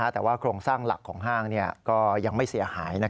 แต่ว่าโครงสร้างหลักของห้างก็ยังไม่เสียหาย